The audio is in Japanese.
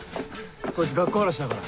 こいつ学校荒らしだから。